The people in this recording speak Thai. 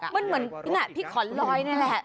มันเหมือนที่ขอนลอยนี่แหละ